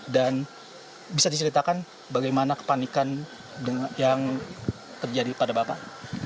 dan bisa diceritakan bagaimana kepanikan yang terjadi pada bapak